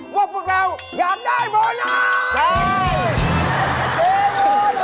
ว่าพวกเราอยากได้โบนัส